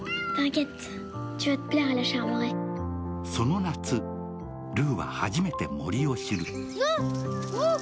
その夏、ルーは初めて森を知る。